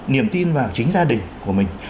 niềm tin vào chính gia đình của mình